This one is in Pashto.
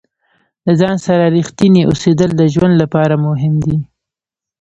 د ځان سره ریښتیني اوسیدل د ژوند لپاره مهم دي.